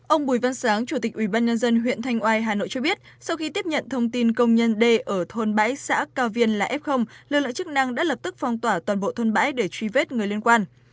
ông bùi văn sáng chủ tịch ubnd huyện thanh oai hà nội cho biết sau khi tiếp nhận thông tin công nhân d ở thôn bãi xã cao viên là f lực lượng chức năng đã lập tức phong tỏa toàn bộ thôn bãi để truy vết người liên quan